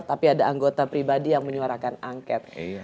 tapi ada anggota pribadi yang menyuarakan angket